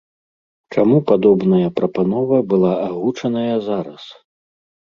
Чаму падобная прапанова была агучаная зараз?